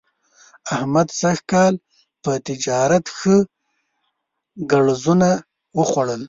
احمد سږ کال په تجارت ښه ګړزونه وخوړل.